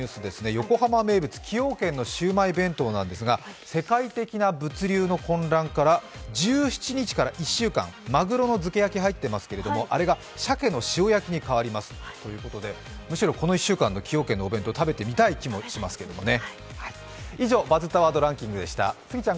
横浜名物、崎陽軒のシウマイ弁当なんですが世界的な物流の混乱から１７人から１週間、まぐろの漬け焼き入っていますけどもあれが鮭の塩焼きに変わりますということで、むしろ、この１週間の崎陽軒のお弁当、食べてみたい気もしますけどね。